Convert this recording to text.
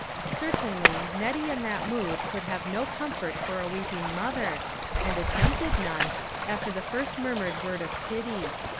Certainly, Nettie in that mood could have no comfort for a weeping mother, and attempted none, after the first murmured word of pity.